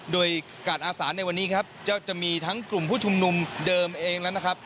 โดยการอาสาในวันนี้ครับจะมีทั้งกลุ่มผู้ชุมนุมเดิมเองแล้วนะครับ